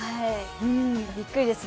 びっくりですね。